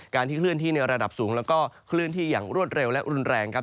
ที่เคลื่อนที่ในระดับสูงแล้วก็เคลื่อนที่อย่างรวดเร็วและรุนแรงครับ